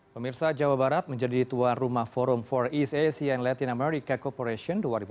pemirsa jawa barat menjadi tuan rumah forum for east asian and latin american cooperation dua ribu tiga